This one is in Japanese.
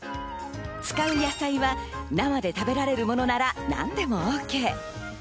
使う野菜は生で食べられるものなら何でもＯＫ。